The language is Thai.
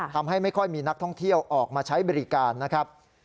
ทำให้ไม่ค่อยมีนักท่องเที่ยวออกมาใช้บริการนะครับ